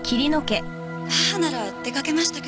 母なら出掛けましたけど。